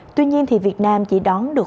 tuy nhiên thì việt nam chỉ đón được